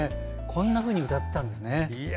こんなふうに歌っていたんですね。